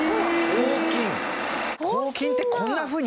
抗菌ってこんなふうにやるの？